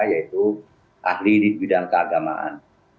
yaitu ahli di bidang keagamaan